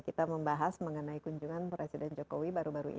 kita membahas mengenai kunjungan presiden jokowi baru baru ini